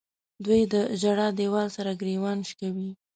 دوی د ژړا دیوال سره ګریوان شکوي.